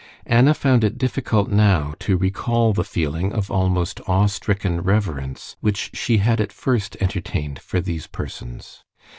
Anna found it difficult now to recall the feeling of almost awe stricken reverence which she had at first entertained for these persons.